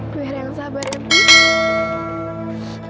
biar yang sabar ya ibu